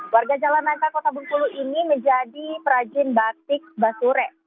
warga jalan nangka kota bengkulu ini menjadi perajin batik basure